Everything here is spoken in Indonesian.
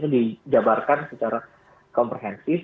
itu dijabarkan secara kompleks